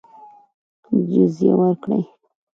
جزیه ورکړي.